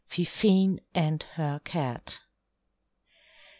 FIFINE AND HER CAT.